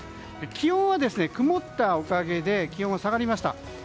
気温は曇ったおかげで気温は下がりました。